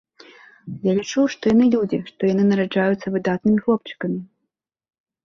Я лічу, што яны людзі, што яны нараджаюцца выдатнымі хлопчыкамі.